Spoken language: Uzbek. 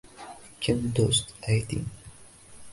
Ким дўст айтинг